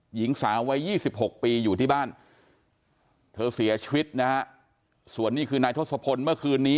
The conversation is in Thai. หญิงสาววัย๒๖ปีอยู่ที่บ้านเธอเสียชีวิตนะฮะส่วนนี้คือนายทศพลเมื่อคืนนี้